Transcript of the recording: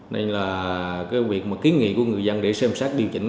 nên là cái việc mà kiến nghị của người dân để xem xét điều chỉnh